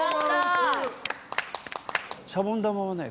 シャボン玉はね